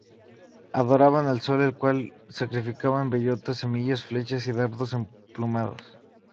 Adoraban al sol, al cual sacrificaban bellotas, semillas, flechas y dardos emplumados.